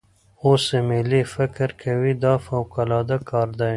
اوس ایمیلی فکر کوي دا فوقالعاده کار دی.